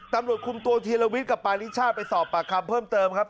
ตำรวจคุมตัวธีรวิทย์กับปาริชาติไปสอบปากคำเพิ่มเติมครับ